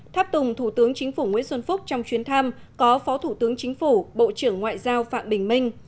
tháp tùng thủ tướng chính phủ nguyễn xuân phúc trong chuyến thăm có phó thủ tướng chính phủ bộ trưởng ngoại giao phạm bình minh